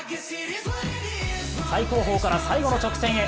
最後方から最後の直線へ。